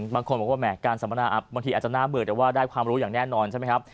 บางคนบอกว่าแห่การสัมมนาบางทีอาจจะน่าเบื่อแต่ว่าได้ความรู้อย่างแน่นอนใช่ไหมครับ